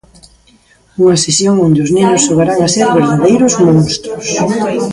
Unha sesión onde os nenos xogarán a ser verdadeiros monstros.